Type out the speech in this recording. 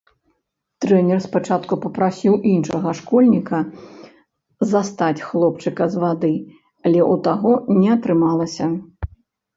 Трэнер спачатку папрасіў іншага школьніка застаць хлопчыка з вады, але ў таго не атрымалася.